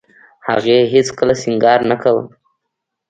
هغې هېڅ کله سينګار نه کاوه.